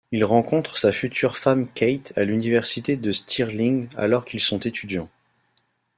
Il rencontre sa future femme Kate à l'université de Stirling alors qu'ils sont étudiants.